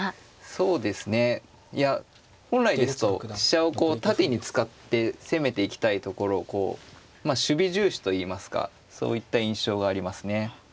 そうですねいや本来ですと飛車をこう縦に使って攻めていきたいところをこう守備重視といいますかそういった印象がありますね。